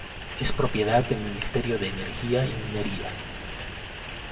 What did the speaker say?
Es propiedad del Ministerio de Energía y Minería.